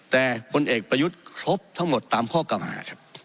แต่ผลเอกประยุทธ์ครบทั้งหมดตามข้อกรรม่า